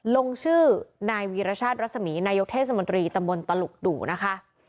ลงชื่อนายวีรชาติรัศมีนายกเทศมนตรีตำบลตลุกดู่นะคะ